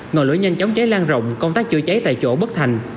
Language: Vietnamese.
ngoài lỗi nhanh chóng cháy lan rộng công tác chữa cháy tại chỗ bất thành